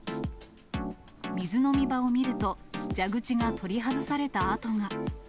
水飲み場を見ると、蛇口が取り外された跡が。